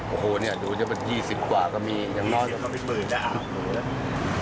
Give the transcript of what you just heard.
โอ้โฮนี่ดูจะเป็น๒๐กว่าก็มียังน้อยก็เป็น๑๐อาหาร